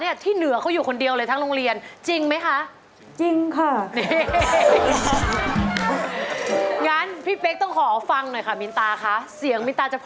อีกคืนที่สาวลงชั่งหลับน้ำ